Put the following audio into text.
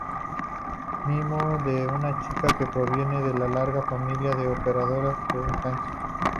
Miho es una chica que proviene de una larga familia de operadoras de tanques.